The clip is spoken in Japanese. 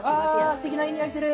すてきないい匂いする。